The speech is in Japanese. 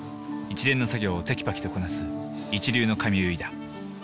一連の作業をテキパキとこなす一流の髪結いだ。